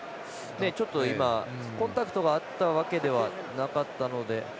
ちょっとコンタクトがあったわけではなかったので。